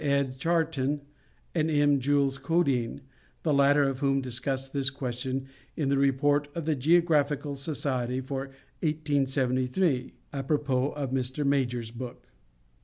Ed. Charton and M. Jules Codine, the latter of whom discussed this question in the Report of the Geographical Society for 1873, apropos of Mr. Major's book.